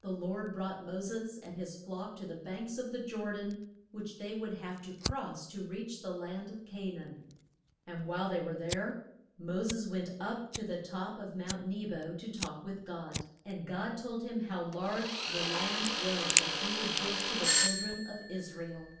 The Lord brought Mo ses and his flock to the banks of the Jor dan, which they would have to cross to reach the land of Ca naan. And while they were there, Mo ses went up to the top of Mount Ne bo to talk with God. And God told him how large the land was that he would give to the chil dren of Is ra el.